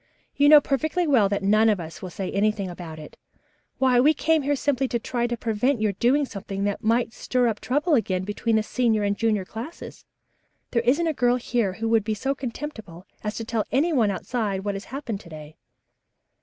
"You know perfectly well that none of us will say anything about it. Why, we came out here simply to try to prevent your doing something that might stir up trouble again between the senior and junior classes. There isn't a girl here who would be so contemptible as to tell any one outside about what has happened to day."